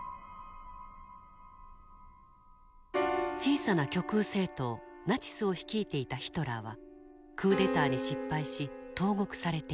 小さな極右政党ナチスを率いていたヒトラーはクーデターに失敗し投獄されていた。